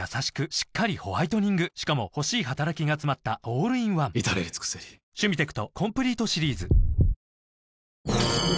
しっかりホワイトニングしかも欲しい働きがつまったオールインワン至れり尽せりダメになってる。